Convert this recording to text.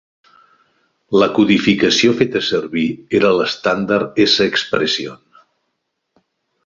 La codificació feta servir era la estàndard S-expression.